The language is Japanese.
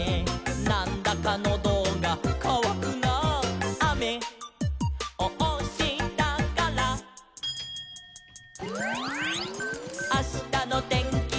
「『なんだかノドがかわくなあ』」「あめをおしたから」「あしたのてんきは」